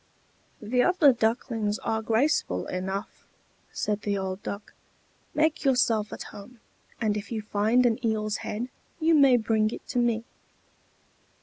"The other ducklings are graceful enough," said the old Duck. "Make yourself at home; and if you find an eel's head, you may bring it to me."